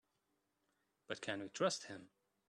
But can we trust him?